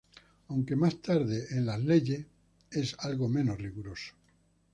Aunque más tarde, en "las Leyes", es algo menos riguroso.